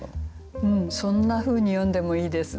そんなふうに読んでもいいですね。